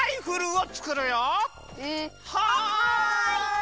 はい！